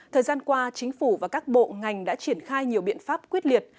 thời gian qua chính phủ và các bộ ngành đã triển khai nhiều biện pháp quyết liệt